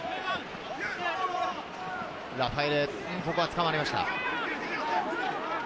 ラファエレ、ここはつかまりました。